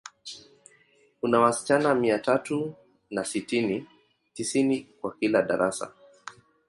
Kuna wasichana mia tatu na sitini, tisini kwa kila darasa.